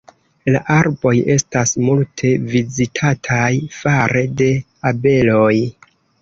La arboj estas multe vizitataj fare de abeloj.